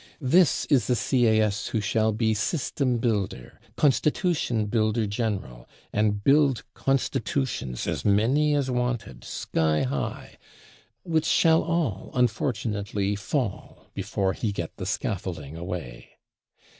This is the Sieyès who shall be System builder, Constitution builder General, and build Constitutions (as many as wanted) sky high, which shall all unfortunately fall before he get the scaffolding away.